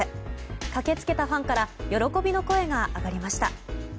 駆け付けたファンから喜びの声が上がりました。